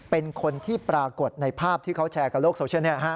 เป็นคนที่ปรากฏในภาพที่เขาแชร์กับโลกโซเชียล